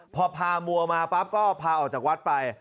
พอพามัวมาปั๊บก็พาออกจากวัดไป